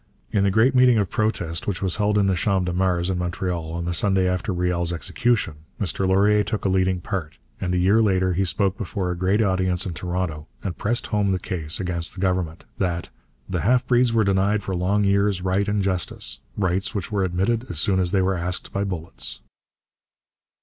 In the great meeting of protest which was held in the Champ de Mars in Montreal on the Sunday after Riel's execution, Mr Laurier took a leading part, and a year later he spoke before a great audience in Toronto and pressed home the case against the Government that 'the half breeds were denied for long years right and justice, rights which were admitted as soon as they were asked by bullets.'